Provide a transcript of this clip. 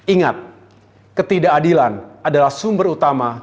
ingat ketidakadilan adalah sumber utama